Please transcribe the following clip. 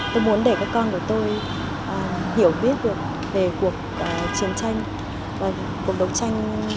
tôi muốn để các con của tôi hiểu biết được về cuộc chiến tranh và cuộc đấu tranh giữ gìn giữ hòa bình của dân tộc mình